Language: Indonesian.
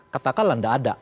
katakanlah nggak ada